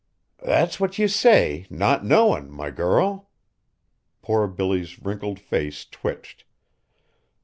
"That's what ye say, not knowin', my girl." Poor Billy's wrinkled face twitched.